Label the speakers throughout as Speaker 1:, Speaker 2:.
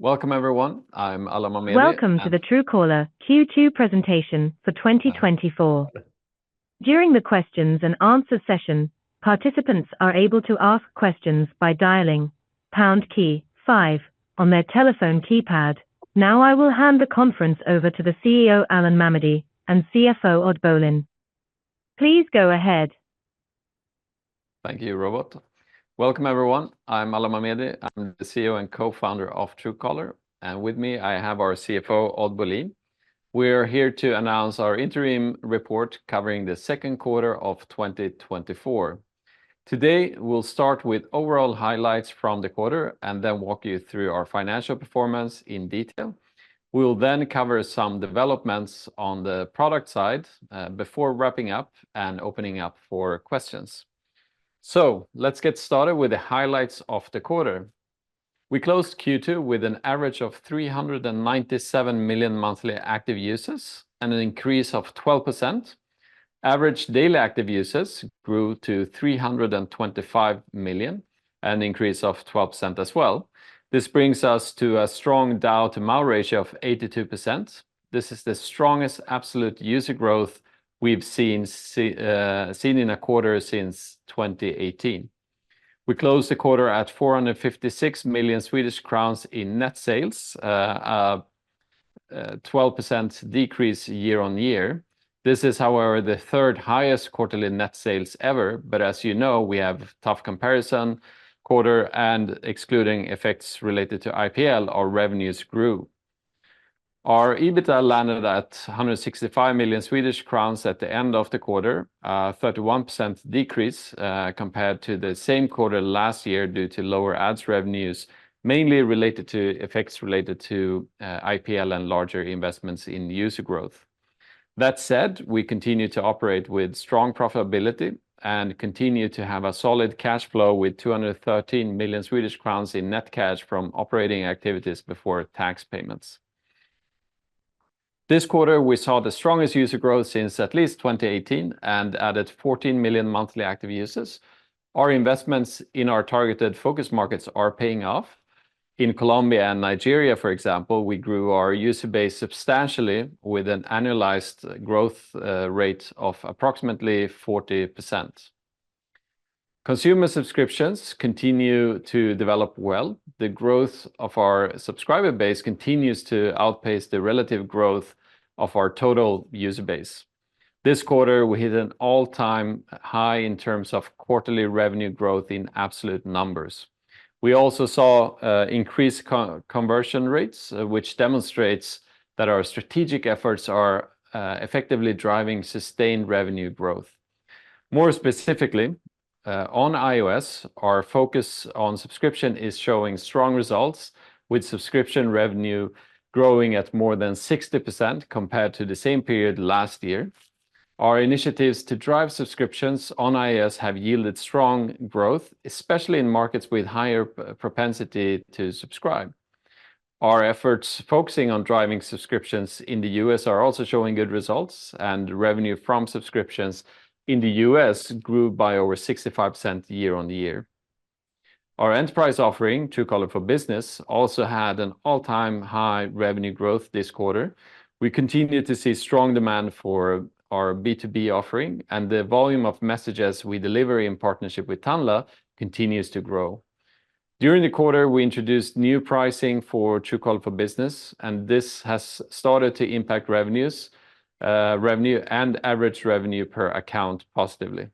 Speaker 1: Welcome, everyone. I'm Alan Mamedi.
Speaker 2: Welcome to the Truecaller Q2 presentation for 2024. During the Q and A session, participants are able to ask questions by dialing pound five on their telephone keypad. Now I will hand the conference over to the CEO Alan Mamedi and CFO Odd Bolin. Please go ahead.
Speaker 1: Thank you, Robert. Welcome, everyone. I'm Alan Mamedi. I'm the CEO and co-founder of Truecaller, and with me I have our CFO, Odd Bolin. We're here to announce our interim report covering the second quarter of 2024. Today, we'll start with overall highlights from the quarter and then walk you through our financial performance in detail. We'll then cover some developments on the product side before wrapping up and opening up for questions. So let's get started with the highlights of the quarter. We closed Q2 with an average of 397 million monthly active users and an increase of 12%. Average daily active users grew to 325 million, an increase of 12% as well. This brings us to a strong DAU to MAU ratio of 82%. This is the strongest absolute user growth we've seen in a quarter since 2018. We closed the quarter at 456 million Swedish crowns in net sales, a 12% decrease year-over-year. This is, however, the third highest quarterly net sales ever, but as you know, we have tough comparison. Quarter, and excluding effects related to IPL, our revenues grew. Our EBITDA landed at 165 million Swedish crowns at the end of the quarter, a 31% decrease compared to the same quarter last year due to lower ads revenues, mainly related to effects related to IPL and larger investments in user growth. That said, we continue to operate with strong profitability and continue to have a solid cash flow with 213 million Swedish crowns in net cash from operating activities before tax payments. This quarter, we saw the strongest user growth since at least 2018 and added 14 million monthly active users. Our investments in our targeted focus markets are paying off. In Colombia and Nigeria, for example, we grew our user base substantially with an annualized growth rate of approximately 40%. Consumer subscriptions continue to develop well. The growth of our subscriber base continues to outpace the relative growth of our total user base. This quarter, we hit an all-time high in terms of quarterly revenue growth in absolute numbers. We also saw increased conversion rates, which demonstrates that our strategic efforts are effectively driving sustained revenue growth. More specifically, on iOS, our focus on subscription is showing strong results, with subscription revenue growing at more than 60% compared to the same period last year. Our initiatives to drive subscriptions on iOS have yielded strong growth, especially in markets with higher propensity to subscribe. Our efforts focusing on driving subscriptions in the U.S. are also showing good results, and revenue from subscriptions in the U.S. grew by over 65% year-on-year. Our enterprise offering, Truecaller for Business, also had an all-time high revenue growth this quarter. We continue to see strong demand for our B2B offering, and the volume of messages we deliver in partnership with Tanla continues to grow. During the quarter, we introduced new pricing for Truecaller for Business, and this has started to impact revenue and average revenue per account positively.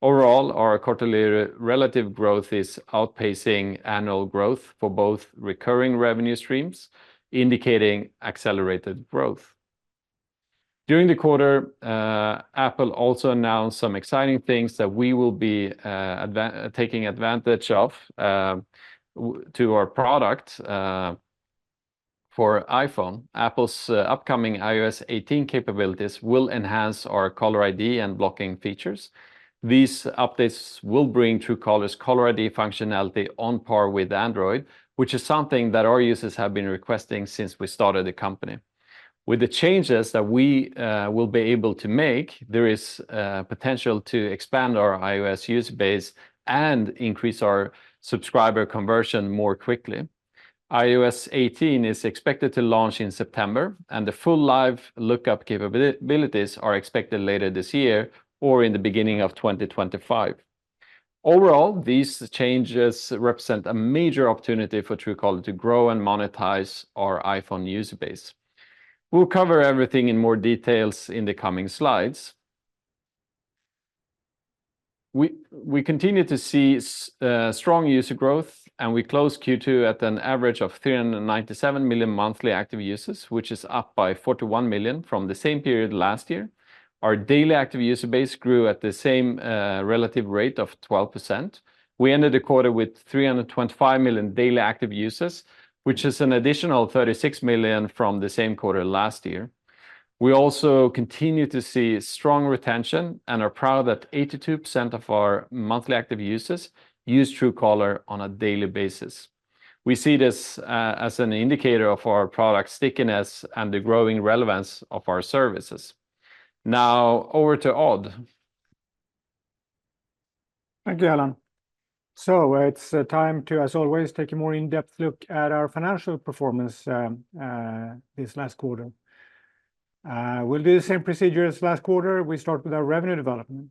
Speaker 1: Overall, our quarterly relative growth is outpacing annual growth for both recurring revenue streams, indicating accelerated growth. During the quarter, Apple also announced some exciting things that we will be taking advantage of to our product. For iPhone, Apple's upcoming iOS 18 capabilities will enhance our Caller ID and blocking features. These updates will bring Truecaller's Caller ID functionality on par with Android, which is something that our users have been requesting since we started the company. With the changes that we will be able to make, there is potential to expand our iOS user base and increase our subscriber conversion more quickly. iOS 18 is expected to launch in September, and the full Live Lookup capabilities are expected later this year or in the beginning of 2025. Overall, these changes represent a major opportunity for Truecaller to grow and monetize our iPhone user base. We'll cover everything in more details in the coming slides. We continue to see strong user growth, and we closed Q2 at an average of 397 million monthly active users, which is up by 41 million from the same period last year. Our daily active user base grew at the same relative rate of 12%. We ended the quarter with 325 million daily active users, which is an additional 36 million from the same quarter last year. We also continue to see strong retention and are proud that 82% of our monthly active users use Truecaller on a daily basis. We see this as an indicator of our product stickiness and the growing relevance of our services. Now over to Odd.
Speaker 3: Thank you, Alan. So it's time to, as always, take a more in-depth look at our financial performance this last quarter. We'll do the same procedure as last quarter. We start with our revenue development.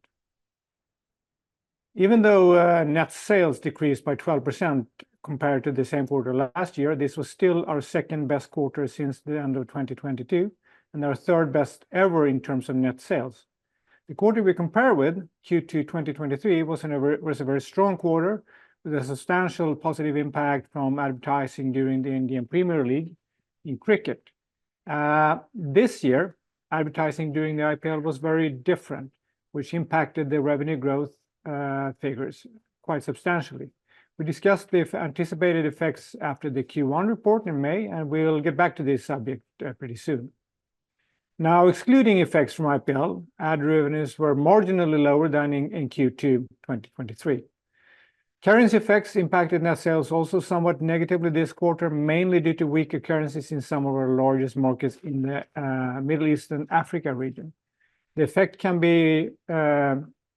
Speaker 3: Even though net sales decreased by 12% compared to the same quarter last year, this was still our second best quarter since the end of 2022, and our third best ever in terms of net sales. The quarter we compare with, Q2 2023, was a very strong quarter with a substantial positive impact from advertising during the Indian Premier League in cricket. This year, advertising during the IPL was very different, which impacted the revenue growth figures quite substantially. We discussed the anticipated effects after the Q1 report in May, and we'll get back to this subject pretty soon. Now, excluding effects from IPL, ad revenues were marginally lower than in Q2 2023. Currency effects impacted net sales also somewhat negatively this quarter, mainly due to weaker currencies in some of our largest markets in the Middle East and Africa region. The effect can be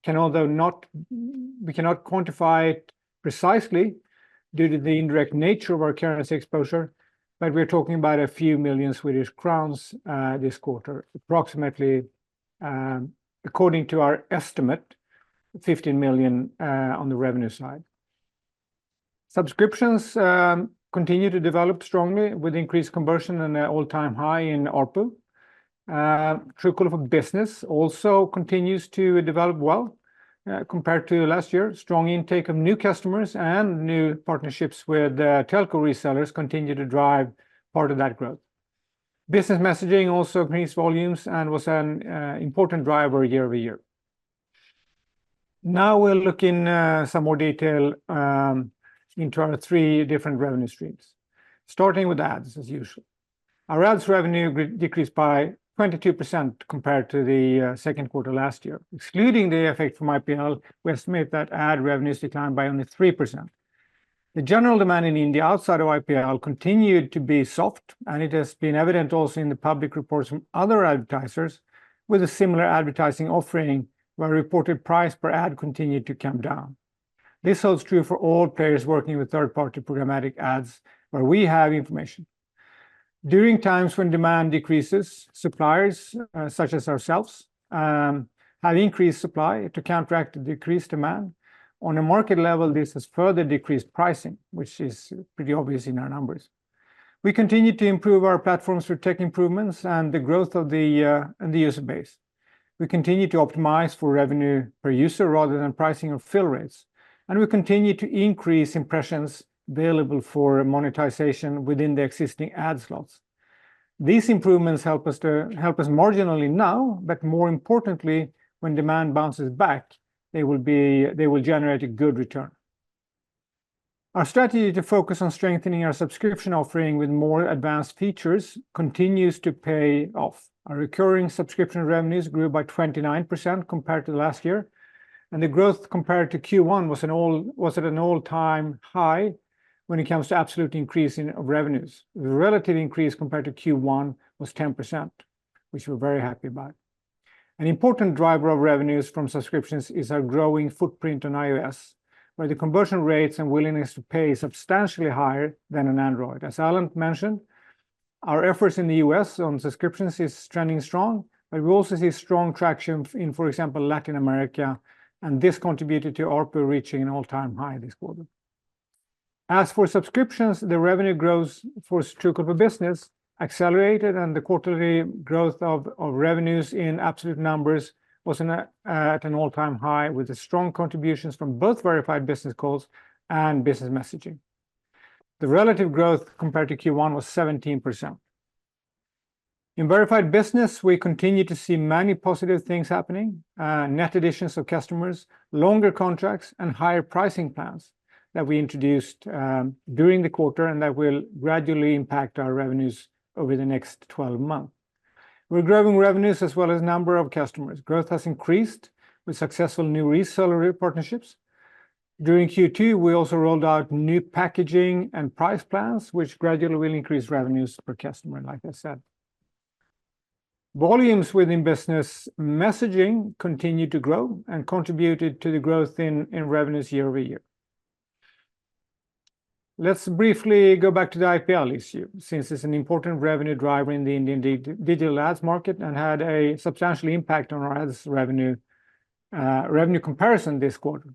Speaker 3: quantified precisely due to the indirect nature of our currency exposure, but we're talking about a few million SEK this quarter, approximately, according to our estimate, 15 million on the revenue side. Subscriptions continue to develop strongly with increased conversion and an all-time high in ARPU. Truecaller for Business also continues to develop well compared to last year. Strong intake of new customers and new partnerships with telco resellers continue to drive part of that growth. Business Messaging also increased volumes and was an important driver year over year. Now we'll look in some more detail into our three different revenue streams, starting with ads, as usual. Our ads revenue decreased by 22% compared to the second quarter last year. Excluding the effect from IPL, we estimate that ad revenues declined by only 3%. The general demand in India outside of IPL continued to be soft, and it has been evident also in the public reports from other advertisers with a similar advertising offering, where reported price per ad continued to come down. This holds true for all players working with third-party programmatic ads, where we have information. During times when demand decreases, suppliers such as ourselves have increased supply to counteract the decreased demand. On a market level, this has further decreased pricing, which is pretty obvious in our numbers. We continue to improve our platforms for tech improvements and the growth of the user base. We continue to optimize for revenue per user rather than pricing or fill rates, and we continue to increase impressions available for monetization within the existing ad slots. These improvements help us marginally now, but more importantly, when demand bounces back, they will generate a good return. Our strategy to focus on strengthening our subscription offering with more advanced features continues to pay off. Our recurring subscription revenues grew by 29% compared to last year, and the growth compared to Q1 was at an all-time high when it comes to absolute increase of revenues. The relative increase compared to Q1 was 10%, which we're very happy about. An important driver of revenues from subscriptions is our growing footprint on iOS, where the conversion rates and willingness to pay are substantially higher than on Android. As Alan mentioned, our efforts in the U.S. on subscriptions are trending strong, but we also see strong traction in, for example, Latin America, and this contributed to ARPU reaching an all-time high this quarter. As for subscriptions, the revenue growth for Truecaller for Business accelerated, and the quarterly growth of revenues in absolute numbers was at an all-time high, with strong contributions from both Verified Business calls and Business Messaging. The relative growth compared to Q1 was 17%. In Verified Business, we continue to see many positive things happening: net additions of customers, longer contracts, and higher pricing plans that we introduced during the quarter and that will gradually impact our revenues over the next 12 months. We're growing revenues as well as the number of customers. Growth has increased with successful new reseller partnerships. During Q2, we also rolled out new packaging and price plans, which gradually will increase revenues per customer, like I said. Volumes within Business Messaging continued to grow and contributed to the growth in revenues year-over-year. Let's briefly go back to the IPL issue, since it's an important revenue driver in the Indian digital ads market and had a substantial impact on our ads revenue comparison this quarter.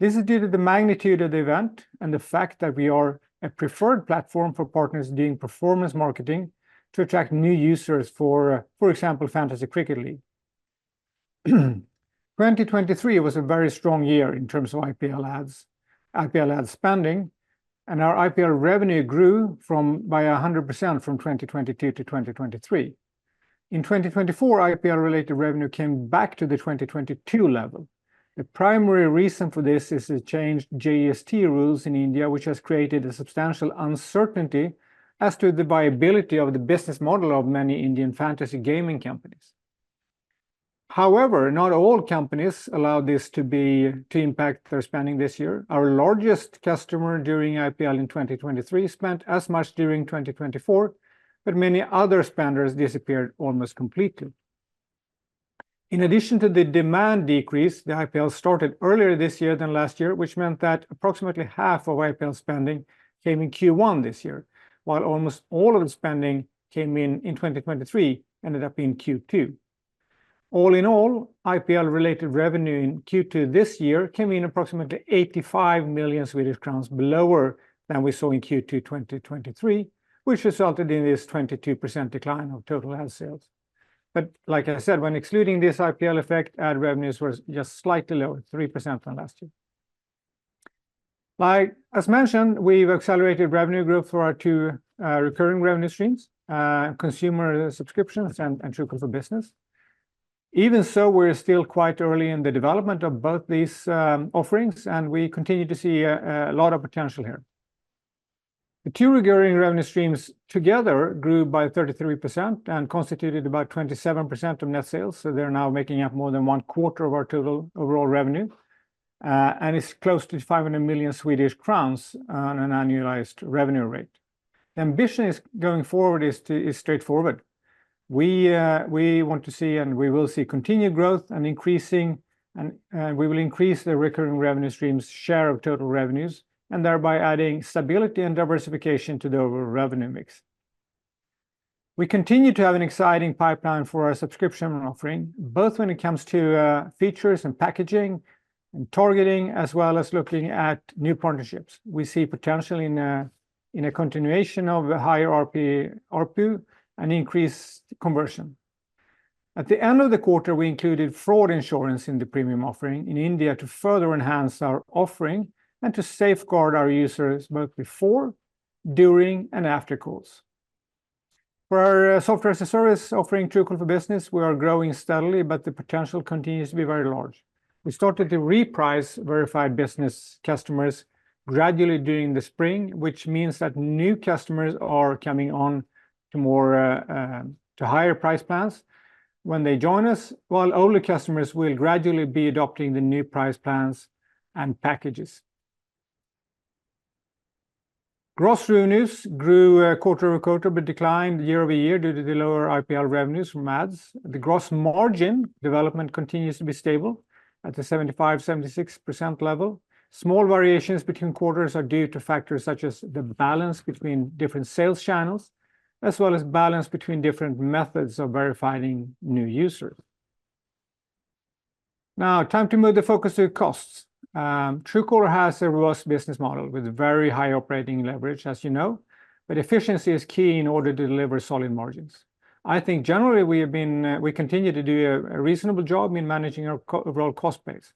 Speaker 3: This is due to the magnitude of the event and the fact that we are a preferred platform for partners doing performance marketing to attract new users for, for example, Fantasy Cricket League. 2023 was a very strong year in terms of IPL ads spending, and our IPL revenue grew by 100% from 2022 to 2023. In 2024, IPL-related revenue came back to the 2022 level. The primary reason for this is the changed GST rules in India, which has created a substantial uncertainty as to the viability of the business model of many Indian fantasy gaming companies. However, not all companies allow this to impact their spending this year. Our largest customer during IPL in 2023 spent as much during 2024, but many other spenders disappeared almost completely. In addition to the demand decrease, the IPL started earlier this year than last year, which meant that approximately half of IPL spending came in Q1 this year, while almost all of the spending came in in 2023 ended up in Q2. All in all, IPL-related revenue in Q2 this year came in approximately 85 million Swedish crowns below than we saw in Q2 2023, which resulted in this 22% decline of total ad sales. But like I said, when excluding this IPL effect, ad revenues were just slightly lower, 3% from last year. Like as mentioned, we've accelerated revenue growth for our two recurring revenue streams, Consumer Subscriptions and Truecaller for Business. Even so, we're still quite early in the development of both these offerings, and we continue to see a lot of potential here. The two recurring revenue streams together grew by 33% and constituted about 27% of net sales, so they're now making up more than one quarter of our total overall revenue, and it's close to 500 million Swedish crowns on an annualized revenue rate. The ambition going forward is straightforward. We want to see and we will see continued growth and increasing, and we will increase the recurring revenue stream's share of total revenues, and thereby adding stability and diversification to the overall revenue mix. We continue to have an exciting pipeline for our subscription offering, both when it comes to features and packaging and targeting, as well as looking at new partnerships. We see potential in a continuation of higher ARPU and increased conversion. At the end of the quarter, we included fraud insurance in the premium offering in India to further enhance our offering and to safeguard our users both before, during, and after calls. For our software as a service offering, Truecaller for Business, we are growing steadily, but the potential continues to be very large. We started to reprice Verified Business customers gradually during the spring, which means that new customers are coming on to higher price plans when they join us, while older customers will gradually be adopting the new price plans and packages. Gross revenues grew quarter-over-quarter but declined year-over-year due to the lower IPL revenues from ads. The gross margin development continues to be stable at the 75-76% level. Small variations between quarters are due to factors such as the balance between different sales channels, as well as balance between different methods of verifying new users. Now, time to move the focus to costs. Truecaller has a robust business model with very high operating leverage, as you know, but efficiency is key in order to deliver solid margins. I think generally we have been, we continue to do a reasonable job in managing our overall cost base.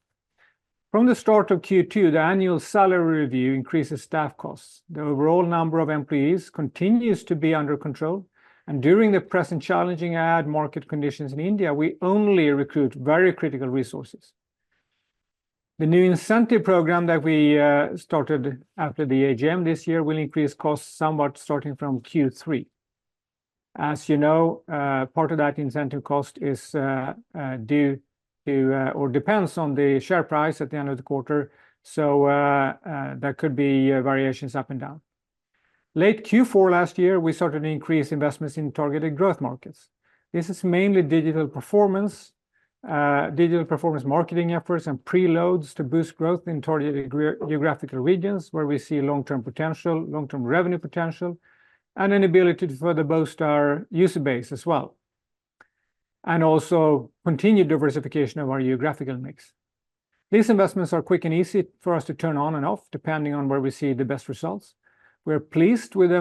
Speaker 3: From the start of Q2, the annual salary review increases staff costs. The overall number of employees continues to be under control, and during the present challenging ad market conditions in India, we only recruit very critical resources. The new incentive program that we started after the AGM this year will increase costs somewhat starting from Q3. As you know, part of that incentive cost is due to or depends on the share price at the end of the quarter, so there could be variations up and down. Late Q4 last year, we started to increase investments in targeted growth markets. This is mainly digital performance, digital performance marketing efforts, and preloads to boost growth in targeted geographical regions where we see long-term potential, long-term revenue potential, and an ability to further boost our user base as well, and also continued diversification of our geographical mix. These investments are quick and easy for us to turn on and off depending on where we see the best results. We are pleased with the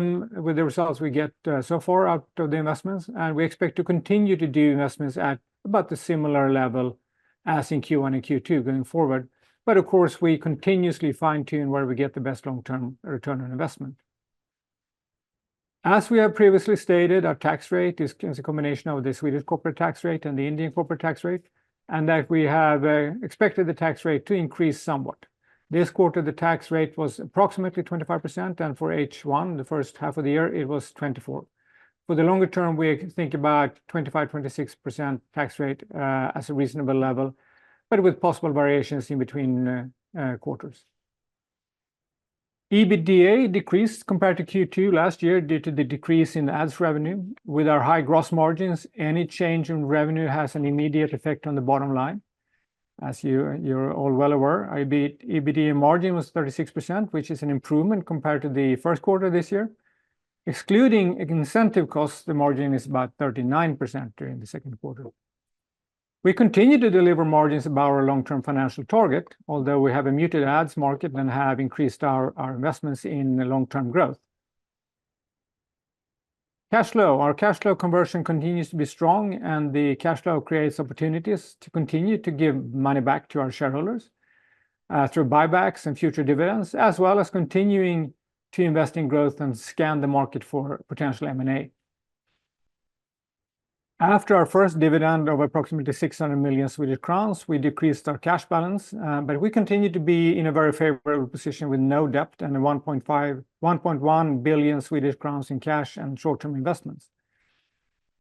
Speaker 3: results we get so far out of the investments, and we expect to continue to do investments at about the similar level as in Q1 and Q2 going forward, but of course, we continuously fine-tune where we get the best long-term return on investment. As we have previously stated, our tax rate is a combination of the Swedish corporate tax rate and the Indian corporate tax rate, and that we have expected the tax rate to increase somewhat. This quarter, the tax rate was approximately 25%, and for H1, the first half of the year, it was 24%. For the longer term, we think about a 25-26% tax rate as a reasonable level, but with possible variations in between quarters. EBITDA decreased compared to Q2 last year due to the decrease in ads revenue. With our high gross margins, any change in revenue has an immediate effect on the bottom line. As you're all well aware, EBITDA margin was 36%, which is an improvement compared to the first quarter this year. Excluding incentive costs, the margin is about 39% during the second quarter. We continue to deliver margins above our long-term financial target, although we have a muted ads market and have increased our investments in long-term growth. Cash flow, our cash flow conversion continues to be strong, and the cash flow creates opportunities to continue to give money back to our shareholders through buybacks and future dividends, as well as continuing to invest in growth and scan the market for potential M&A. After our first dividend of approximately 600 million Swedish crowns, we decreased our cash balance, but we continue to be in a very favorable position with no debt and 1.1 billion Swedish crowns in cash and short-term investments.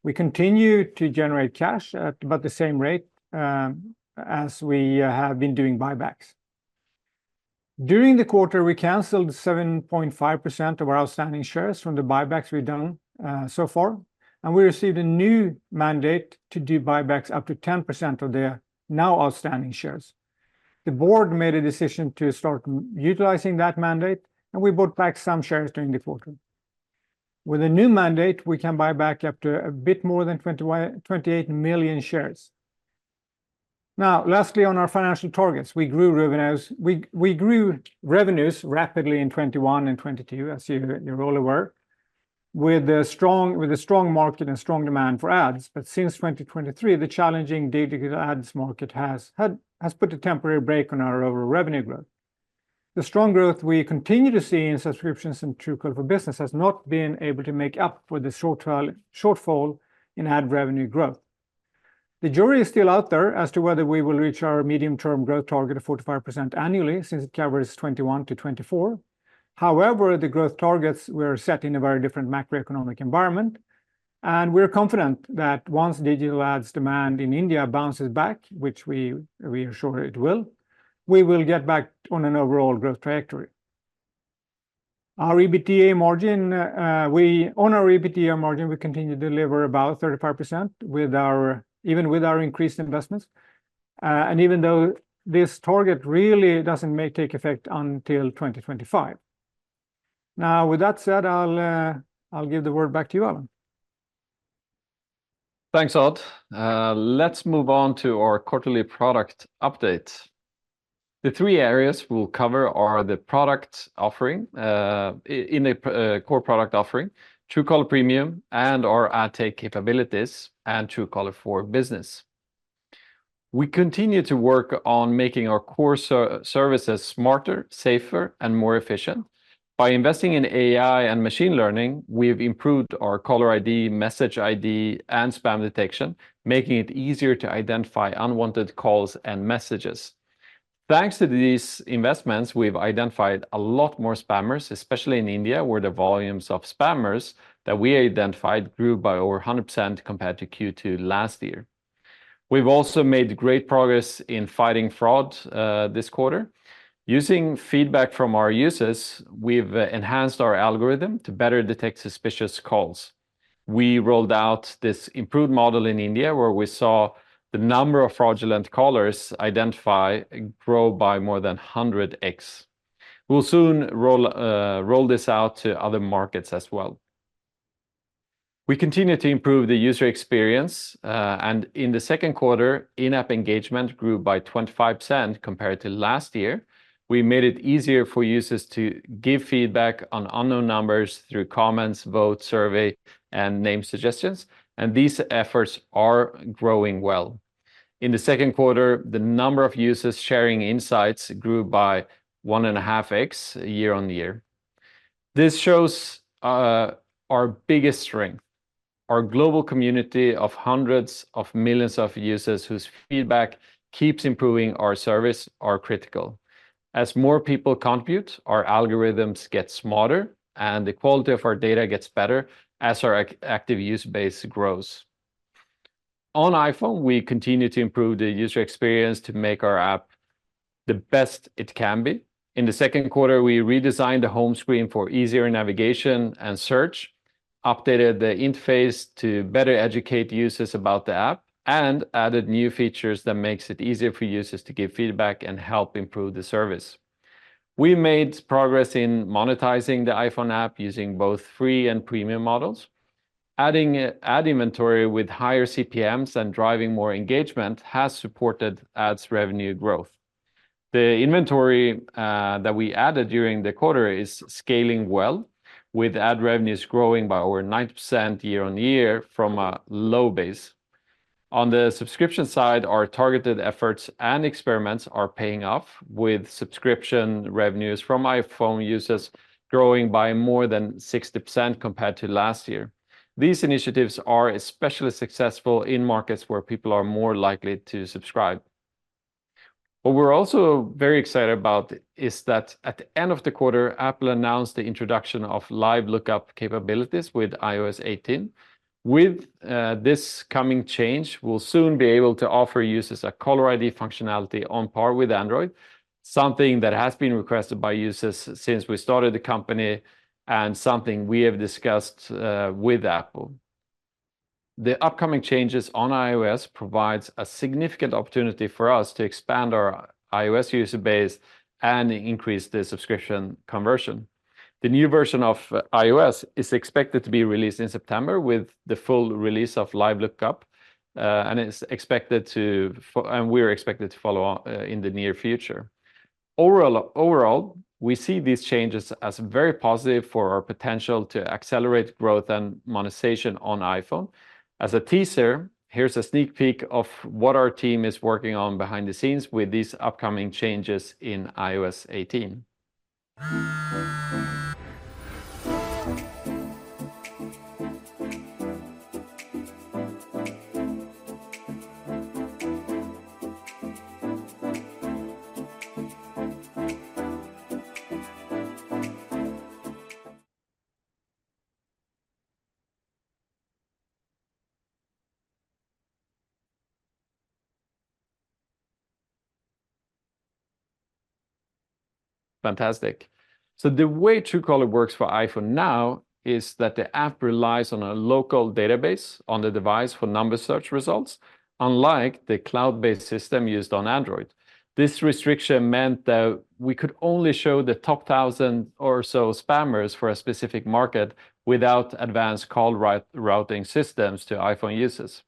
Speaker 3: We continue to generate cash at about the same rate as we have been doing buybacks. During the quarter, we canceled 7.5% of our outstanding shares from the buybacks we've done so far, and we received a new mandate to do buybacks up to 10% of the now outstanding shares. The board made a decision to start utilizing that mandate, and we bought back some shares during the quarter. With a new mandate, we can buy back up to a bit more than 28 million shares. Now, lastly, on our financial targets, we grew revenues rapidly in 2021 and 2022, as you all aware, with a strong market and strong demand for ads, but since 2023, the challenging digital ads market has put a temporary break on our overall revenue growth. The strong growth we continue to see in subscriptions and Truecaller for Business has not been able to make up for the shortfall in ad revenue growth. The jury is still out there as to whether we will reach our medium-term growth target of 45% annually since it covers 2021 to 2024. However, the growth targets were set in a very different macroeconomic environment, and we're confident that once digital ads demand in India bounces back, which we are sure it will, we will get back on an overall growth trajectory. Our EBITDA margin, we continue to deliver about 35% even with our increased investments, and even though this target really doesn't take effect until 2025. Now, with that said, I'll give the word back to you, Alan.
Speaker 1: Thanks, Odd. Let's move on to our quarterly product updates. The three areas we'll cover are the core product offering, Truecaller Premium, and our Ad Tech Capabilities, and Truecaller for Business. We continue to work on making our core services smarter, safer, and more efficient. By investing in AI and machine learning, we've improved our Caller ID, Message ID, and spam detection, making it easier to identify unwanted calls and messages. Thanks to these investments, we've identified a lot more spammers, especially in India, where the volumes of spammers that we identified grew by over 100% compared to Q2 last year. We've also made great progress in fighting fraud this quarter. Using feedback from our users, we've enhanced our algorithm to better detect suspicious calls. We rolled out this improved model in India, where we saw the number of fraudulent callers identified grow by more than 100x. We'll soon roll this out to other markets as well. We continue to improve the user experience, and in the second quarter, in-app engagement grew by 25% compared to last year. We made it easier for users to give feedback on unknown numbers through comments, votes, surveys, and name suggestions, and these efforts are growing well. In the second quarter, the number of users sharing insights grew by 1.5x year-on-year. This shows our biggest strength. Our global community of hundreds of millions of users whose feedback keeps improving our service are critical. As more people contribute, our algorithms get smarter, and the quality of our data gets better as our active use base grows. On iPhone, we continue to improve the user experience to make our app the best it can be. In the second quarter, we redesigned the home screen for easier navigation and search, updated the interface to better educate users about the app, and added new features that make it easier for users to give feedback and help improve the service. We made progress in monetizing the iPhone app using both free and premium models. Adding ad inventory with higher CPMs and driving more engagement has supported ads revenue growth. The inventory that we added during the quarter is scaling well, with ad revenues growing by over 90% year-over-year from a low base. On the subscription side, our targeted efforts and experiments are paying off, with subscription revenues from iPhone users growing by more than 60% compared to last year. These initiatives are especially successful in markets where people are more likely to subscribe. What we're also very excited about is that at the end of the quarter, Apple announced the introduction of live lookup capabilities with iOS 18. With this coming change, we'll soon be able to offer users a Caller ID functionality on par with Android, something that has been requested by users since we started the company and something we have discussed with Apple. The upcoming changes on iOS provide a significant opportunity for us to expand our iOS user base and increase the subscription conversion. The new version of iOS is expected to be released in September with the full release of Live Lookup, and it's expected to, and we're expected to follow up in the near future. Overall, we see these changes as very positive for our potential to accelerate growth and monetization on iPhone. As a teaser, here's a sneak peek of what our team is working on behind the scenes with these upcoming changes in iOS 18. Fantastic. So the way Truecaller works for iPhone now is that the app relies on a local database on the device for number search results, unlike the cloud-based system used on Android. This restriction meant that we could only show the top 1,000 or so spammers for a specific market without advanced call routing systems to iPhone users.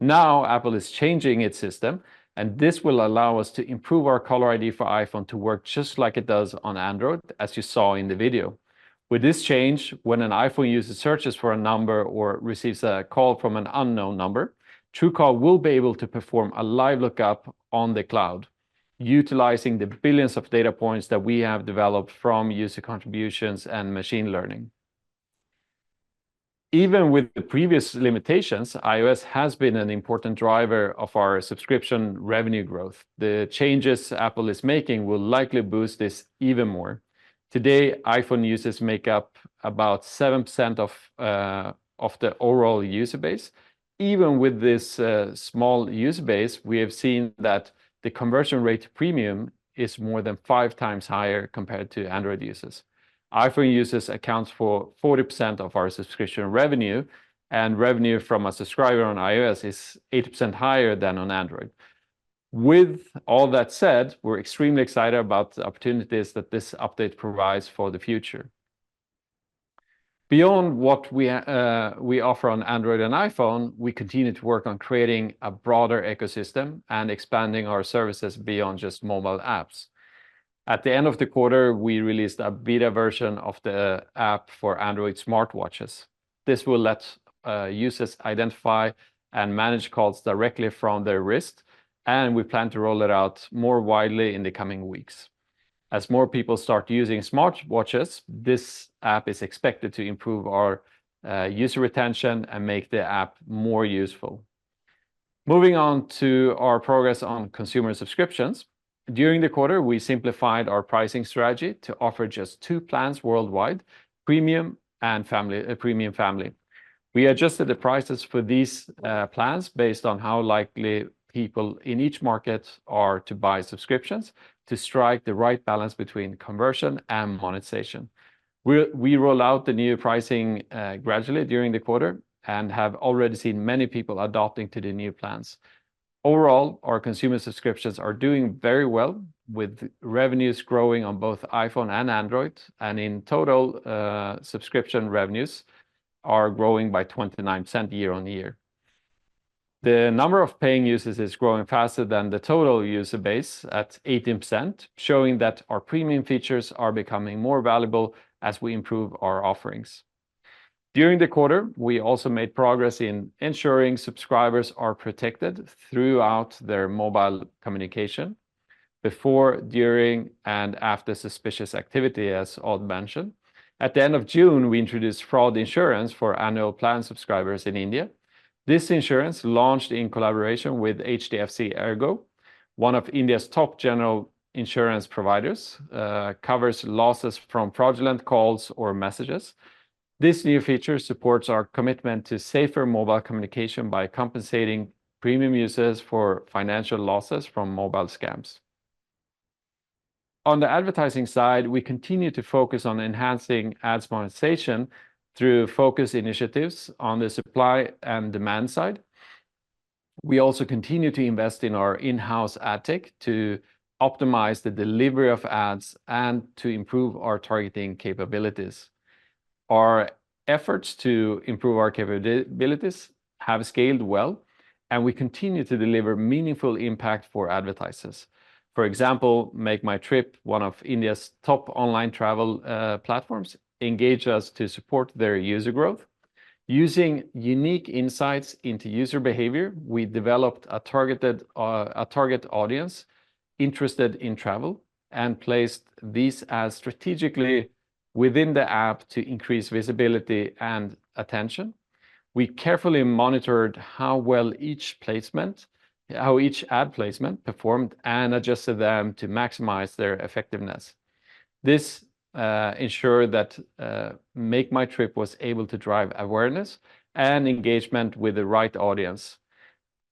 Speaker 1: Now Apple is changing its system, and this will allow us to improve our Caller ID for iPhone to work just like it does on Android, as you saw in the video. With this change, when an iPhone user searches for a number or receives a call from an unknown number, Truecaller will be able to perform a Live Lookup on the cloud, utilizing the billions of data points that we have developed from user contributions and machine learning. Even with the previous limitations, iOS has been an important driver of our subscription revenue growth. The changes Apple is making will likely boost this even more. Today, iPhone users make up about 7% of the overall user base. Even with this small user base, we have seen that the conversion rate premium is more than five times higher compared to Android users. iPhone users account for 40% of our subscription revenue, and revenue from a subscriber on iOS is 80% higher than on Android. With all that said, we're extremely excited about the opportunities that this update provides for the future. Beyond what we offer on Android and iPhone, we continue to work on creating a broader ecosystem and expanding our services beyond just mobile apps. At the end of the quarter, we released a beta version of the app for Android smartwatches. This will let users identify and manage calls directly from their wrist, and we plan to roll it out more widely in the coming weeks. As more people start using smartwatches, this app is expected to improve our user retention and make the app more useful. Moving on to our progress on consumer subscriptions. During the quarter, we simplified our pricing strategy to offer just two plans worldwide, Premium and Family. We adjusted the prices for these plans based on how likely people in each market are to buy subscriptions to strike the right balance between conversion and monetization. We rolled out the new pricing gradually during the quarter and have already seen many people adopting the new plans. Overall, our consumer subscriptions are doing very well, with revenues growing on both iPhone and Android, and in total, subscription revenues are growing by 29% year-over-year. The number of paying users is growing faster than the total user base at 18%, showing that our premium features are becoming more valuable as we improve our offerings. During the quarter, we also made progress in ensuring subscribers are protected throughout their mobile communication before, during, and after suspicious activity, as Odd mentioned. At the end of June, we introduced fraud insurance for annual plan subscribers in India. This insurance, launched in collaboration with HDFC ERGO, one of India's top general insurance providers, covers losses from fraudulent calls or messages. This new feature supports our commitment to safer mobile communication by compensating premium users for financial losses from mobile scams. On the advertising side, we continue to focus on enhancing ads monetization through focus initiatives on the supply and demand side. We also continue to invest in our in-house ad tech to optimize the delivery of ads and to improve our targeting capabilities. Our efforts to improve our capabilities have scaled well, and we continue to deliver meaningful impact for advertisers. For example, MakeMyTrip, one of India's top online travel platforms, engages us to support their user growth. Using unique insights into user behavior, we developed a targeted audience interested in travel and placed these as strategically within the app to increase visibility and attention. We carefully monitored how well each placement, how each ad placement performed, and adjusted them to maximize their effectiveness. This ensured that MakeMyTrip was able to drive awareness and engagement with the right audience.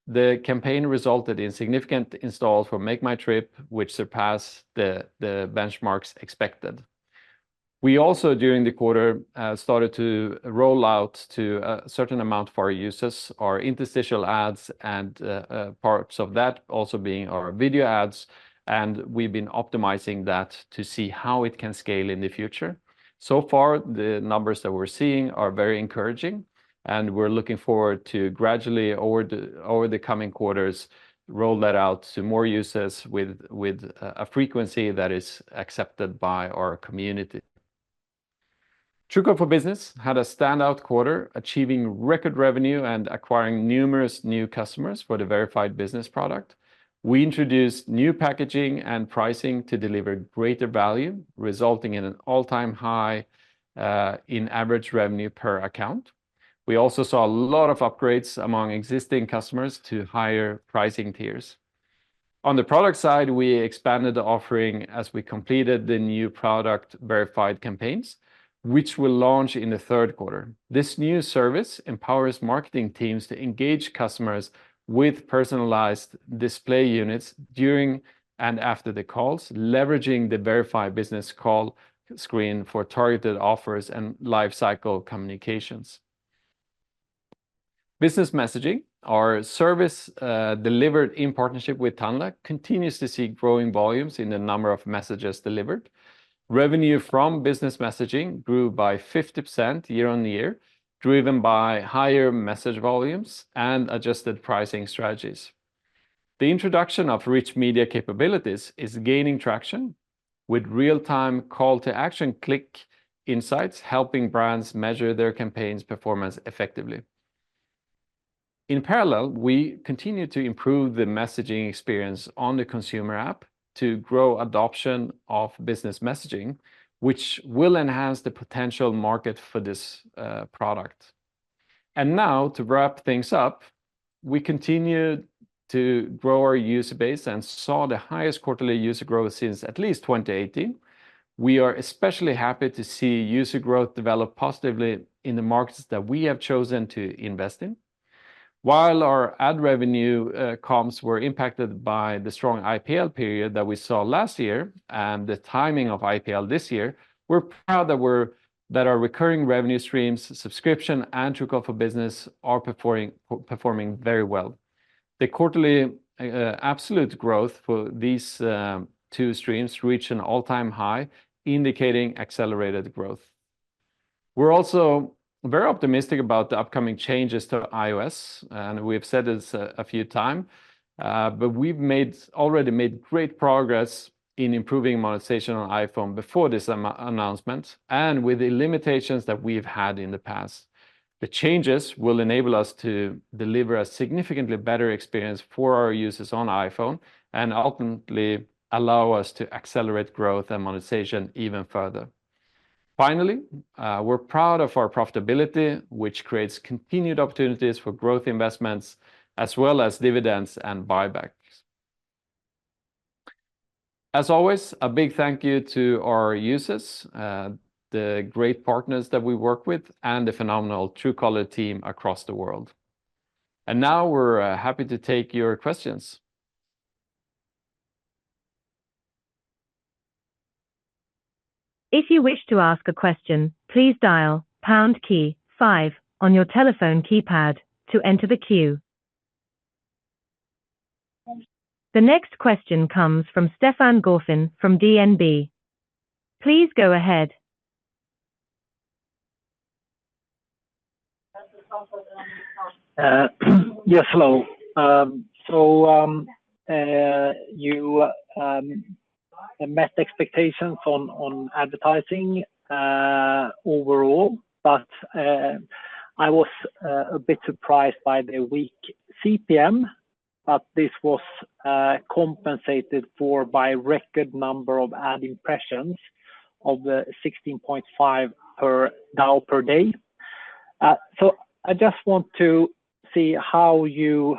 Speaker 1: The campaign resulted in significant installs for MakeMyTrip, which surpassed the benchmarks expected. We also, during the quarter, started to roll out to a certain amount for our users, our interstitial ads and parts of that also being our video ads, and we've been optimizing that to see how it can scale in the future. So far, the numbers that we're seeing are very encouraging, and we're looking forward to gradually, over the coming quarters, roll that out to more users with a frequency that is accepted by our community. Truecaller for Business had a standout quarter, achieving record revenue and acquiring numerous new customers for the Verified Business product. We introduced new packaging and pricing to deliver greater value, resulting in an all-time high in average revenue per account. We also saw a lot of upgrades among existing customers to higher pricing tiers. On the product side, we expanded the offering as we completed the new product Verified Campaigns, which will launch in the third quarter. This new service empowers marketing teams to engage customers with personalized display units during and after the calls, leveraging the Verified Business call screen for targeted offers and lifecycle communications. Business Messaging, our service delivered in partnership with Tanla Platforms, continues to see growing volumes in the number of messages delivered. Revenue from Business Messaging grew by 50% year-on-year, driven by higher message volumes and adjusted pricing strategies. The introduction of rich media capabilities is gaining traction, with real-time call-to-action click insights helping brands measure their campaigns' performance effectively. In parallel, we continue to improve the messaging experience on the consumer app to grow adoption of Business Messaging, which will enhance the potential market for this product. And now, to wrap things up, we continue to grow our user base and saw the highest quarterly user growth since at least 2018. We are especially happy to see user growth develop positively in the markets that we have chosen to invest in. While our ad revenue columns were impacted by the strong IPL period that we saw last year and the timing of IPL this year, we're proud that our recurring revenue streams, subscription, and Truecaller for Business are performing very well. The quarterly absolute growth for these two streams reached an all-time high, indicating accelerated growth. We're also very optimistic about the upcoming changes to iOS, and we've said this a few times, but we've already made great progress in improving monetization on iPhone before this announcement and with the limitations that we've had in the past. The changes will enable us to deliver a significantly better experience for our users on iPhone and ultimately allow us to accelerate growth and monetization even further. Finally, we're proud of our profitability, which creates continued opportunities for growth investments as well as dividends and buybacks. As always, a big thank you to our users, the great partners that we work with, and the phenomenal Truecaller team across the world. And now we're happy to take your questions.
Speaker 2: If you wish to ask a question, please dial pound key five on your telephone keypad to enter the queue. The next question comes from Stefan Gauffin from DNB. Please go ahead.
Speaker 4: Yes, hello. So you met expectations on advertising overall, but I was a bit surprised by the weak CPM, but this was compensated for by a record number of ad impressions of 16.5 per hour per day. So I just want to see how you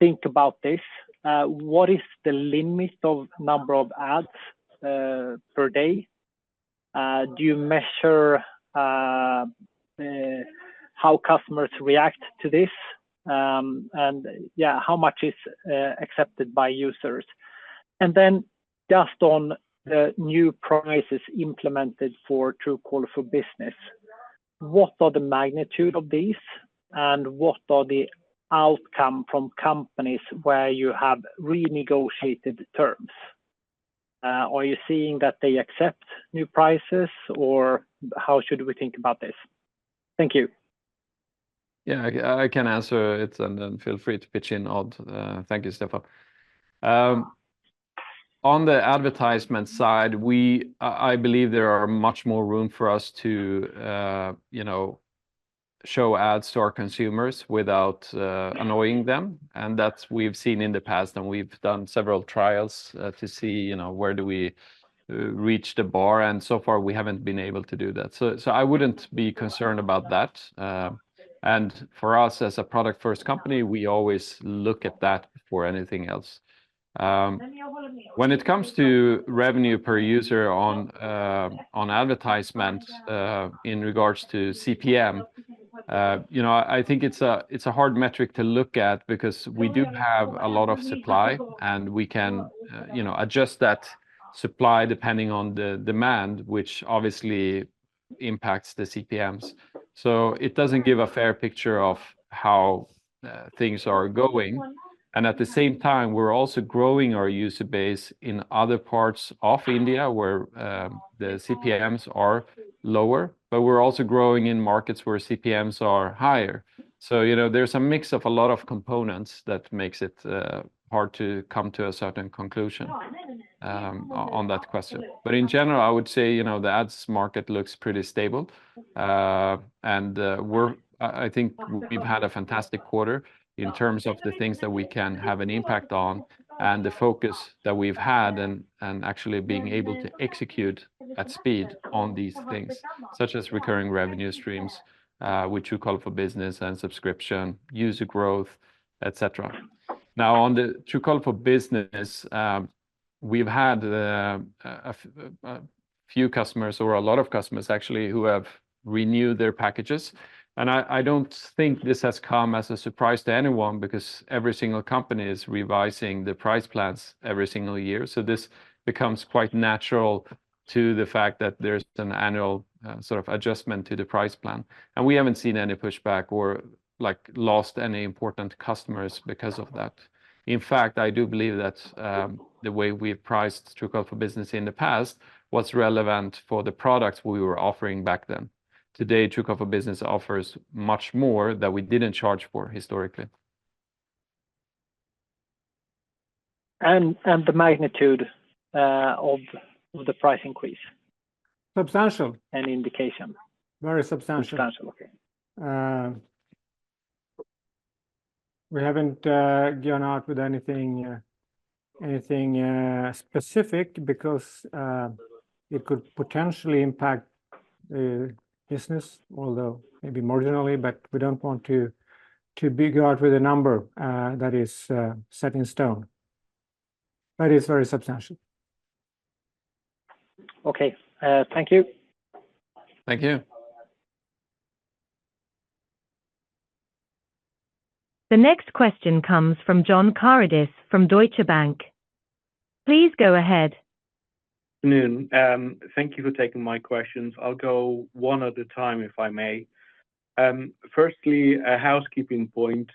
Speaker 4: think about this. What is the limit of the number of ads per day? Do you measure how customers react to this? And yeah, how much is accepted by users? And then just on the new prices implemented for Truecaller for Business, what are the magnitude of these? And what are the outcomes from companies where you have renegotiated terms? Are you seeing that they accept new prices, or how should we think about this? Thank you.
Speaker 1: Yeah, I can answer it, and then feel free to pitch in, Odd. Thank you, Stefan. On the advertisement side, I believe there is much more room for us to show ads to our consumers without annoying them. And that's what we've seen in the past, and we've done several trials to see where do we reach the bar. And so far, we haven't been able to do that. So I wouldn't be concerned about that. And for us, as a product-first company, we always look at that before anything else. When it comes to revenue per user on advertisements in regards to CPM, I think it's a hard metric to look at because we do have a lot of supply, and we can adjust that supply depending on the demand, which obviously impacts the CPMs. So it doesn't give a fair picture of how things are going. And at the same time, we're also growing our user base in other parts of India where the CPMs are lower, but we're also growing in markets where CPMs are higher. So there's a mix of a lot of components that makes it hard to come to a certain conclusion on that question. But in general, I would say the ads market looks pretty stable. I think we've had a fantastic quarter in terms of the things that we can have an impact on and the focus that we've had and actually being able to execute at speed on these things, such as recurring revenue streams with Truecaller for Business and subscription, user growth, etc. Now, on the Truecaller for Business, we've had a few customers, or a lot of customers actually, who have renewed their packages. I don't think this has come as a surprise to anyone because every single company is revising the price plans every single year. This becomes quite natural to the fact that there's an annual sort of adjustment to the price plan. We haven't seen any pushback or lost any important customers because of that. In fact, I do believe that the way we've priced Truecaller for Business in the past was relevant for the products we were offering back then. Today, Truecaller for Business offers much more that we didn't charge for historically.
Speaker 4: And the magnitude of the price increase?
Speaker 3: Substantial.
Speaker 4: And indication?
Speaker 1: Very substantial.
Speaker 3: Substantial, okay. We haven't gone out with anything specific because it could potentially impact the business, although maybe marginally, but we don't want to be guarded with a number that is set in stone. But it's very substantial.
Speaker 4: Okay, thank you.
Speaker 1: Thank you.
Speaker 2: The next question comes from John Karidis from Deutsche Bank. Please go ahead. Good afternoon.
Speaker 5: Thank you for taking my questions. I'll go one at a time if I may. Firstly, a housekeeping point.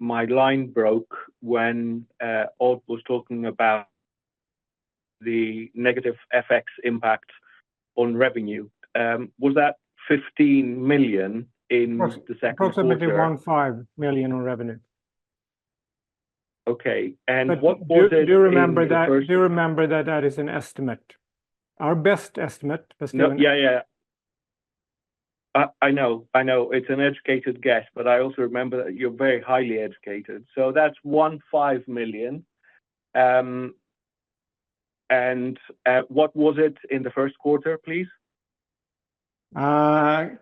Speaker 5: My line broke when Odd was talking about the negative FX impact on revenue. Was that 15 million in the second quarter?
Speaker 3: Approximately 15 million in revenue.
Speaker 5: Okay. And what was it?
Speaker 3: Do you remember that that is an estimate? Our best estimate.
Speaker 5: Yeah, yeah, yeah. I know. I know. It's an educated guess, but I also remember that you're very highly educated. So that's 15 million. And what was it in the first quarter, please?
Speaker 1: Quite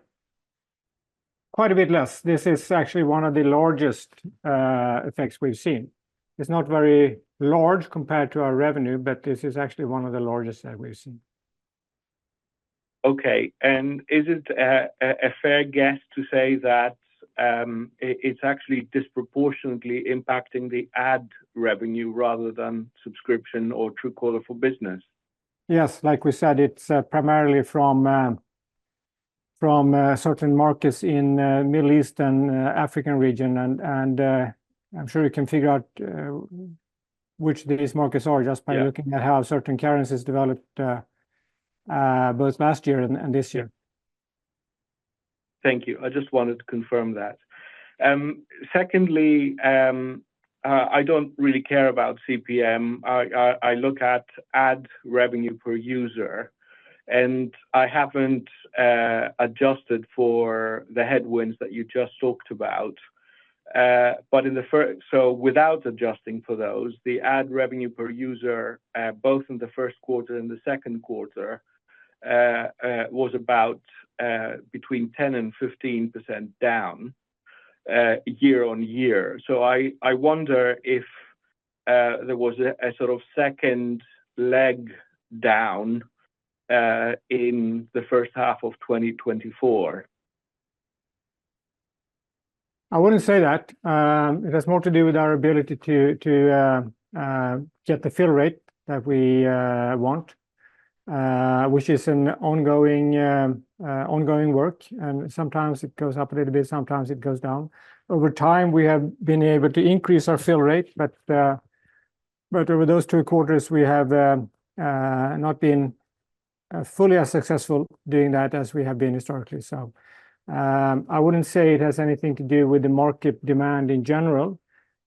Speaker 1: a bit less. This is actually one of the largest effects we've seen. It's not very large compared to our revenue, but this is actually one of the largest that we've seen.
Speaker 5: Okay. And is it a fair guess to say that it's actually disproportionately impacting the ad revenue rather than subscription or Truecaller for Business?
Speaker 3: Yes. Like we said, it's primarily from certain markets in the Middle East and African region. I'm sure you can figure out which these markets are just by looking at how certain currencies developed both last year and this year.
Speaker 5: Thank you. I just wanted to confirm that. Secondly, I don't really care about CPM. I look at ad revenue per user. I haven't adjusted for the headwinds that you just talked about. So without adjusting for those, the ad revenue per user, both in the first quarter and the second quarter, was about between 10% and 15% down year-over-year. So I wonder if there was a sort of second leg down in the first half of 2024.
Speaker 3: I wouldn't say that. It has more to do with our ability to get the fill rate that we want, which is an ongoing work. And sometimes it goes up a little bit, sometimes it goes down. Over time, we have been able to increase our fill rate, but over those two quarters, we have not been fully as successful doing that as we have been historically. So I wouldn't say it has anything to do with the market demand in general.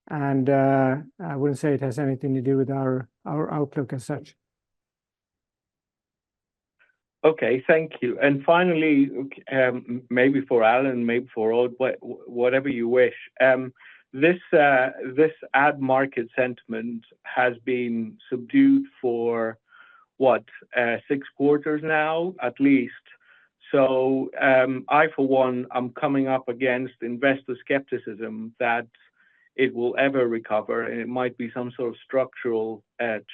Speaker 3: And I wouldn't say it has anything to do with our outlook as such.
Speaker 5: Okay, thank you. And finally, maybe for Alan, maybe for Odd, whatever you wish. This ad market sentiment has been subdued for what, six quarters now at least. So I, for one, am coming up against investor skepticism that it will ever recover, and it might be some sort of structural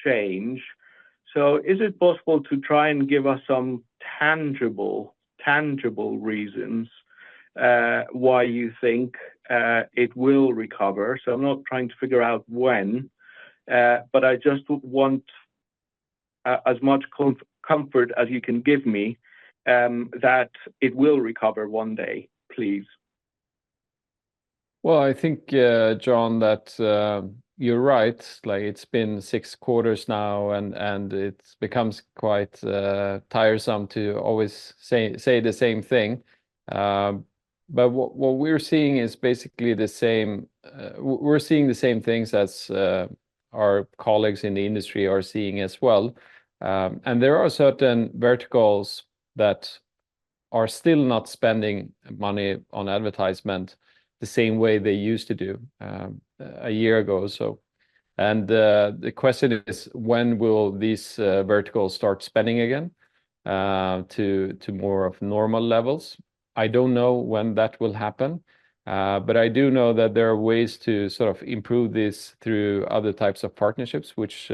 Speaker 5: change. So is it possible to try and give us some tangible reasons why you think it will recover? I'm not trying to figure out when, but I just want as much comfort as you can give me that it will recover one day, please.
Speaker 1: Well, I think, John, that you're right. It's been six quarters now, and it becomes quite tiresome to always say the same thing. What we're seeing is basically the same. We're seeing the same things as our colleagues in the industry are seeing as well. There are certain verticals that are still not spending money on advertisement the same way they used to do a year ago. The question is, when will these verticals start spending again to more normal levels? I don't know when that will happen, but I do know that there are ways to sort of improve this through other types of partnerships, which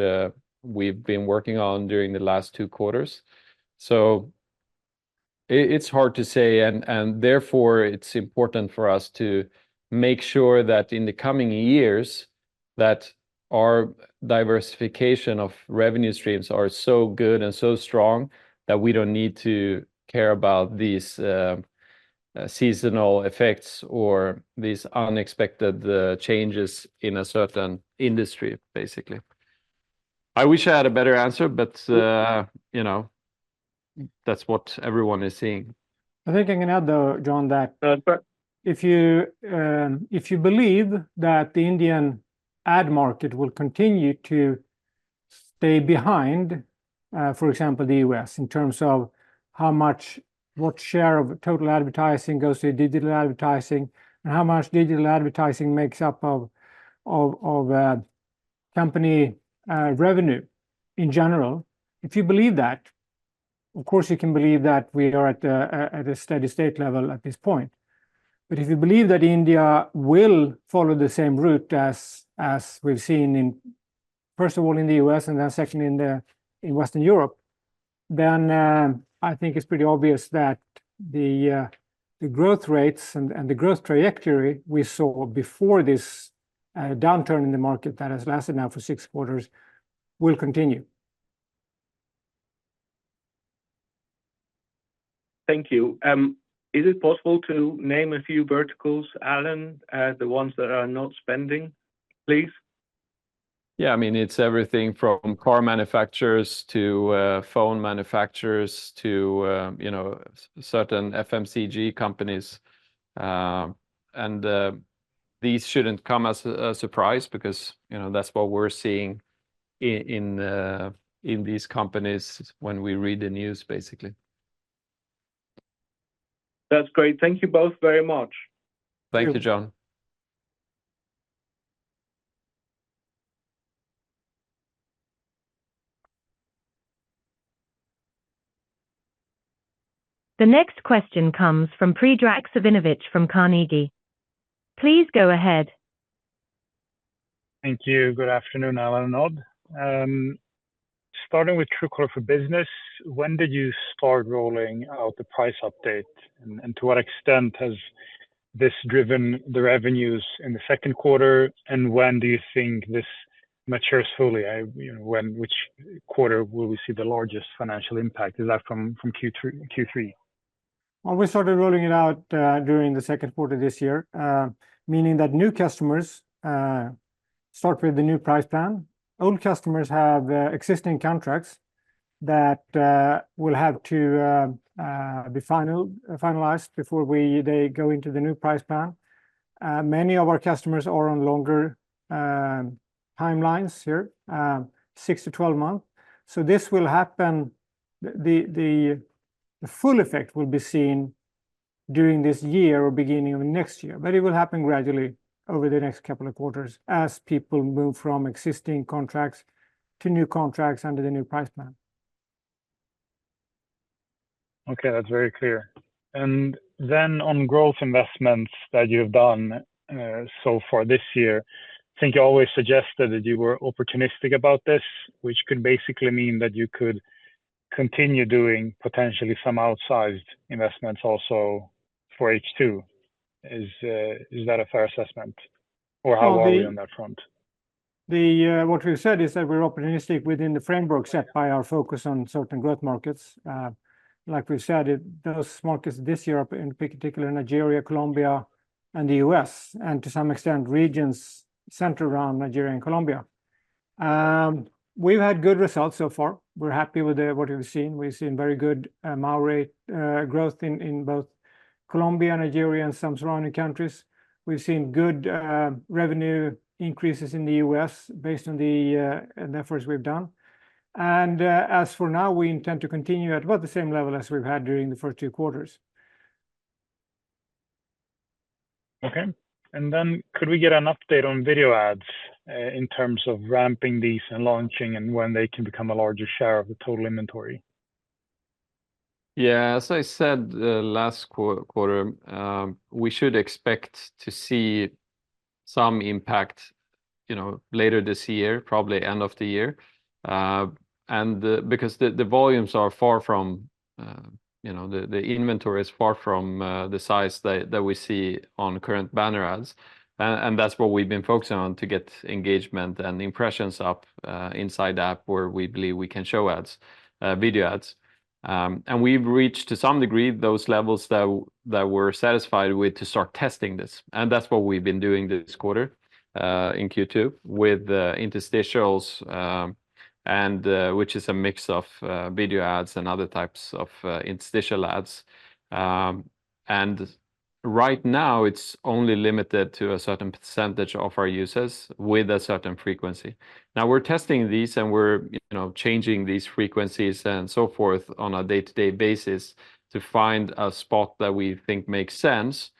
Speaker 1: we've been working on during the last two quarters. So it's hard to say, and therefore, it's important for us to make sure that in the coming years that our diversification of revenue streams are so good and so strong that we don't need to care about these seasonal effects or these unexpected changes in a certain industry, basically. I wish I had a better answer, but that's what everyone is seeing.
Speaker 3: I think I can add, though, John, that if you believe that the Indian ad market will continue to stay behind, for example, the U.S., in terms of what share of total advertising goes to digital advertising and how much digital advertising makes up of company revenue in general, if you believe that, of course, you can believe that we are at a steady state level at this point. But if you believe that India will follow the same route as we've seen, first of all, in the U.S. and then secondly in Western Europe, then I think it's pretty obvious that the growth rates and the growth trajectory we saw before this downturn in the market that has lasted now for six quarters will continue.
Speaker 5: Thank you. Is it possible to name a few verticals, Alan, the ones that are not spending, please?
Speaker 1: Yeah, I mean, it's everything from car manufacturers to phone manufacturers to certain FMCG companies. And these shouldn't come as a surprise because that's what we're seeing in these companies when we read the news, basically.
Speaker 5: That's great. Thank you both very much.
Speaker 1: Thank you, John.
Speaker 2: The next question comes from Predrag Savinovic from Carnegie. Please go ahead.
Speaker 6: Thank you. Good afternoon, Alan and Odd. Starting with Truecaller for Business, when did you start rolling out the price update? And to what extent has this driven the revenues in the second quarter? And when do you think this matures fully? Which quarter will we see the largest financial impact? Is that from Q3?
Speaker 3: Well, we started rolling it out during the second quarter this year, meaning that new customers start with the new price plan. Old customers have existing contracts that will have to be finalized before they go into the new price plan. Many of our customers are on longer timelines here, 6-12 months. So this will happen. The full effect will be seen during this year or beginning of next year, but it will happen gradually over the next couple of quarters as people move from existing contracts to new contracts under the new price plan.
Speaker 6: Okay, that's very clear. On growth investments that you've done so far this year, I think you always suggested that you were opportunistic about this, which could basically mean that you could continue doing potentially some outsized investments also for H2. Is that a fair assessment? Or how are we on that front?
Speaker 3: What we've said is that we're opportunistic within the framework set by our focus on certain growth markets. Like we've said, those markets this year, in particular Nigeria, Colombia, and the U.S., and to some extent, regions centered around Nigeria and Colombia. We've had good results so far. We're happy with what we've seen. We've seen very good MAU rate growth in both Colombia, Nigeria, and some surrounding countries. We've seen good revenue increases in the U.S. based on the efforts we've done. As for now, we intend to continue at about the same level as we've had during the first two quarters.
Speaker 6: Okay. And then could we get an update on video ads in terms of ramping these and launching and when they can become a larger share of the total inventory?
Speaker 1: Yeah, as I said last quarter, we should expect to see some impact later this year, probably end of the year. And because the volumes are far from the inventory is far from the size that we see on current banner ads. And that's what we've been focusing on to get engagement and impressions up inside app where we believe we can show ads, video ads. And we've reached to some degree those levels that we're satisfied with to start testing this. That's what we've been doing this quarter in Q2 with interstitials, which is a mix of video ads and other types of interstitial ads. Right now, it's only limited to a certain percentage of our users with a certain frequency. Now we're testing these and we're changing these frequencies and so forth on a day-to-day basis to find a spot that we think makes sense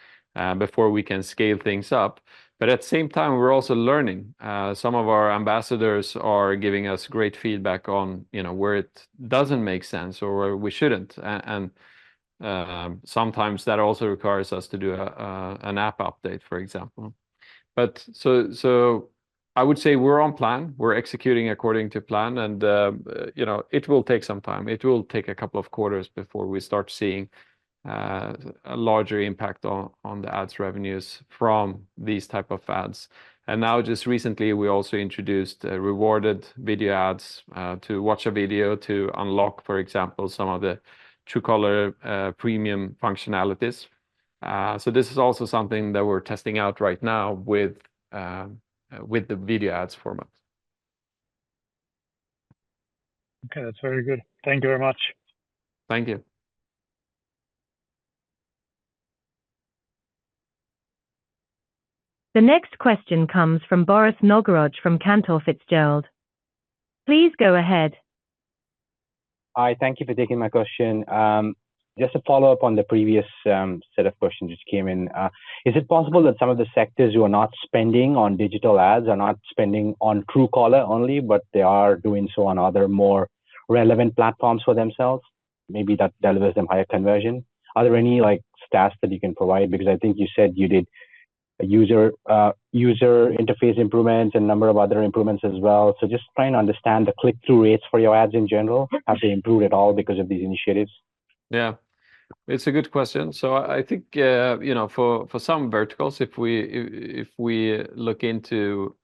Speaker 1: before we can scale things up. At the same time, we're also learning. Some of our ambassadors are giving us great feedback on where it doesn't make sense or where we shouldn't. Sometimes that also requires us to do an app update, for example. So I would say we're on plan. We're executing according to plan. It will take some time. It will take a couple of quarters before we start seeing a larger impact on the ads revenues from these type of ads. And now just recently, we also introduced rewarded video ads to watch a video to unlock, for example, some of the Truecaller Premium functionalities. So this is also something that we're testing out right now with the video ads format.
Speaker 6: Okay, that's very good. Thank you very much.
Speaker 1: Thank you.
Speaker 2: The next question comes from Bharath Nagaraj from Cantor Fitzgerald. Please go ahead.
Speaker 7: Hi, thank you for taking my question. Just to follow up on the previous set of questions which came in, is it possible that some of the sectors who are not spending on digital ads are not spending on Truecaller only, but they are doing so on other more relevant platforms for themselves? Maybe that delivers them higher conversion? Are there any stats that you can provide? Because I think you said you did user interface improvements and a number of other improvements as well. So just trying to understand the click-through rates for your ads in general, have they improved at all because of these initiatives?
Speaker 1: Yeah, it's a good question. So I think for some verticals, if we look into,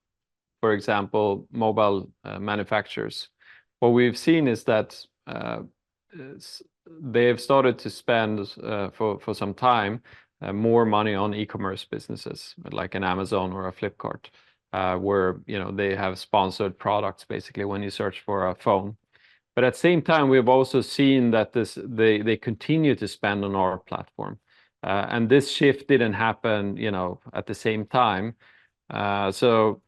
Speaker 1: for example, mobile manufacturers, what we've seen is that they have started to spend for some time more money on e-commerce businesses like an Amazon or a Flipkart where they have sponsored products basically when you search for a phone. But at the same time, we've also seen that they continue to spend on our platform. And this shift didn't happen at the same time. So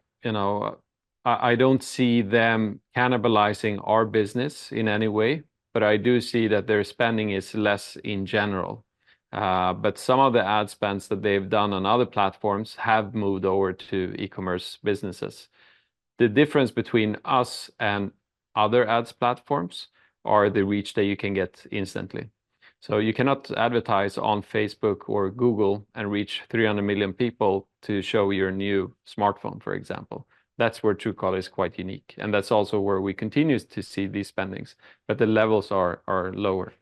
Speaker 1: I don't see them cannibalizing our business in any way, but I do see that their spending is less in general. But some of the ad spends that they've done on other platforms have moved over to e-commerce businesses. The difference between us and other ad platforms is the reach that you can get instantly. So you cannot advertise on Facebook or Google and reach 300 million people to show your new smartphone, for example. That's where Truecaller is quite unique. And that's also where we continue to see these spendings, but the levels are lower.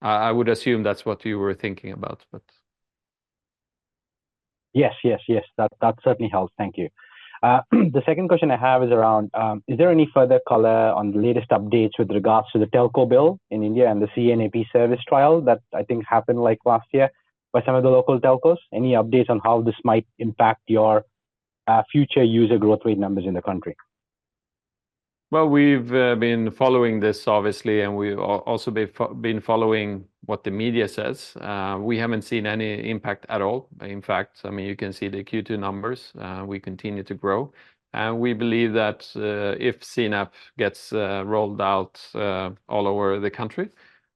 Speaker 1: I would assume that's what you were thinking about, but?
Speaker 7: Yes, yes, yes. That certainly helps. Thank you. The second question I have is around: is there any further color on the latest updates with regards to the telco bill in India and the CNAP service trial that I think happened last year by some of the local telcos? Any updates on how this might impact your future user growth rate numbers in the country?
Speaker 1: Well, we've been following this, obviously, and we've also been following what the media says. We haven't seen any impact at all. In fact, I mean, you can see the Q2 numbers. We continue to grow. And we believe that if CNAP gets rolled out all over the country,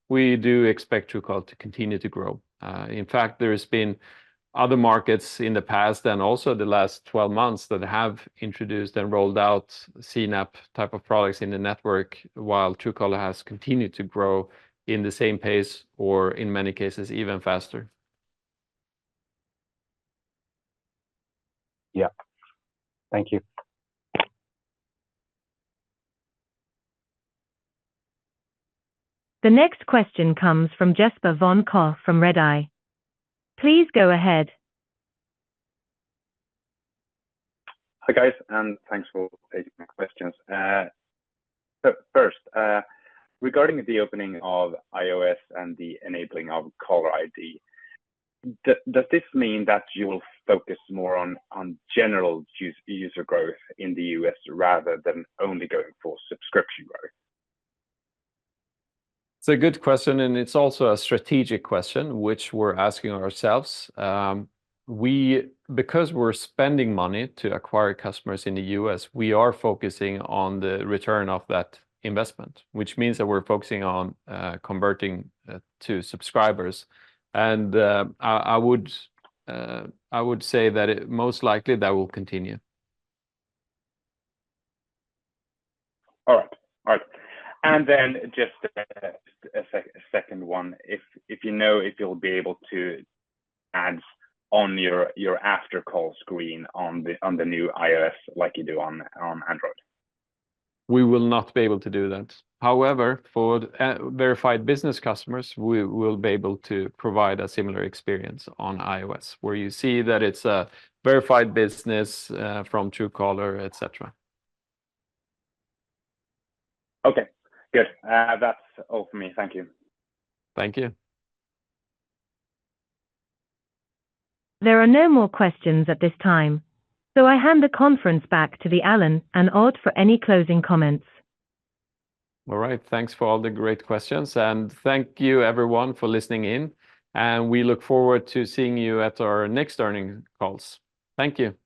Speaker 1: we do expect Truecaller to continue to grow. In fact, there have been other markets in the past and also the last 12 months that have introduced and rolled out CNAP type of products in the network while Truecaller has continued to grow in the same pace or in many cases even faster.
Speaker 7: Yeah. Thank you.
Speaker 2: The next question comes from Jesper von Koch from Redeye. Please go ahead.
Speaker 8: Hi guys, and thanks for taking my questions. First, regarding the opening of iOS and the enabling of Caller ID, does this mean that you will focus more on general user growth in the U.S. rather than only going for subscription growth?
Speaker 1: It's a good question, and it's also a strategic question, which we're asking ourselves. Because we're spending money to acquire customers in the U.S., we are focusing on the return of that investment, which means that we're focusing on converting to subscribers. And I would say that most likely that will continue.
Speaker 8: All right. All right. And then just a second one. If you know if you'll be able to add on your after-call screen on the new iOS like you do on Android?
Speaker 1: We will not be able to do that. However, for Verified Business customers, we will be able to provide a similar experience on iOS where you see that it's a Verified Business from Truecaller, etc.
Speaker 8: Okay. Good. That's all for me. Thank you.
Speaker 1: Thank you.
Speaker 2: There are no more questions at this time. So I hand the conference back to Alan and Odd for any closing comments.
Speaker 1: All right. Thanks for all the great questions. And thank you, everyone, for listening in. And we look forward to seeing you at our next earnings calls. Thank you.